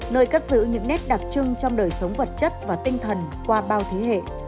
nơi cất giữ những nét đặc trưng trong đời sống vật chất và tinh thần qua bao thế hệ